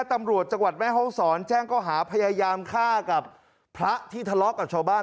ตำรวจจังหวัดแม่ห้องศรแจ้งก็หาพยายามฆ่ากับพระที่ทะเลาะกับชาวบ้าน